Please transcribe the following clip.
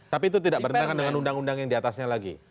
tapi itu tidak bertentangan dengan undang undang yang diatasnya lagi